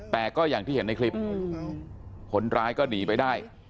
แต่ก็อย่างที่เห็นในคลิปคนร้ายก็หนีไปได้